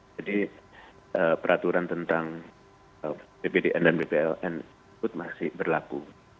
jadi peraturan tentang bpdn dan bpln masih berlaku